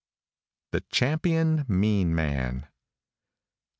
THE CHAMPION MEAN MAN.